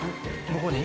向こうに？